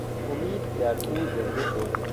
امید در او زنده شد.